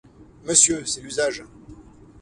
························— Monsieur, c’est l’usage.